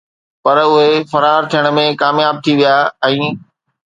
پر اهي فرار ٿيڻ ۾ ڪامياب ٿي ويا ۽